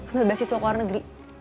ngerubah beasiswa keluar negeri